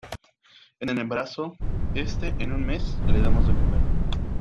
en el embarazo. este, en un mes , le damos de comer .